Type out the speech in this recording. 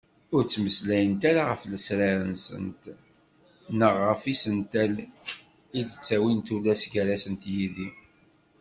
Ur ttmeslayent ara ɣef lesrar-nsent neɣ ɣef yisental i d-ttawint tullas gar-asent yid-i.